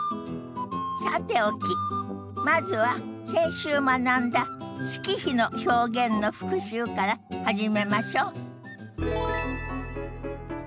さておきまずは先週学んだ月日の表現の復習から始めましょ。